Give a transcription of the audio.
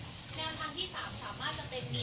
แนวทางที่๓สามารถจะเป็น